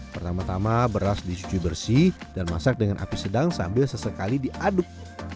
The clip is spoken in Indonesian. pertama tama beras dicuci bersih dan masak dengan api sedang sambil sesekali diaduk